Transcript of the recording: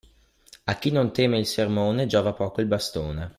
A chi non teme il sermone giova poco il bastone.